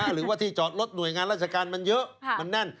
หรือว่าที่จอดรถหน่วยงานราชการมันเยอะมันแน่น